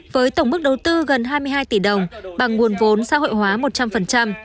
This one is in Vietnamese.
với tổng mức đầu tư gần hai mươi hai tỷ đồng bằng nguồn vốn xã hội hóa một trăm linh